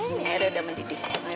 ini udah mendidih